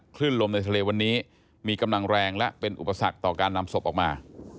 คลื่นลมในทะเลวันนี้มีกำลังแรงและเป็นอุปสรรคต่อการนำศพออกมา